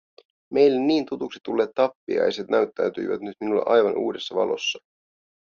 Meille niin tutuksi tulleet tappiaiset näyttäytyivät nyt minulle aivan uudessa valossa.